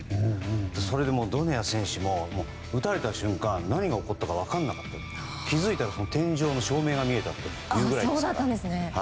それでドネア選手も打たれた瞬間何が起こったか分からなくて気づいたら天井の照明が見えたっていうぐらいですから。